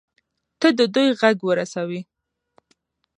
ته د دوى غږ ورسوي.